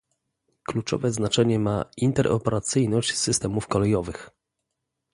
Kluczowe znaczenie ma interoperacyjność systemów kolejowych